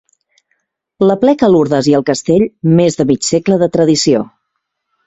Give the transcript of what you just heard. L'aplec a Lurdes i al Castell, més de mig segle de tradició.